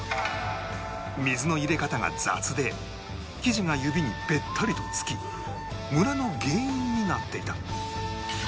水の入れ方が雑で生地が指にベッタリと付きムラの原因になっていた